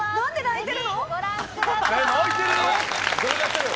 ぜひご覧ください。